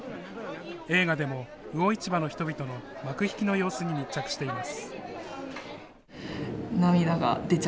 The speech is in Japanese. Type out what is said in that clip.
映画でも魚市場の人々の幕引きの様子に密着しています。